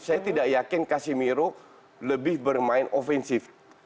saya tidak yakin casimiro lebih bermain offensif